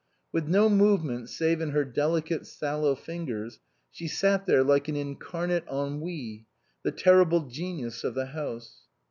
With no movement save in her delicate sallow fingers, she sat there like an incarnate Ennui, the ter rible genius of the house.